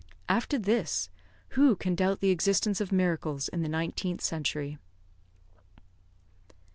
After this, who can doubt the existence of miracles in the nineteenth century?